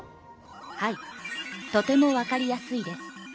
はいとてもわかりやすいです。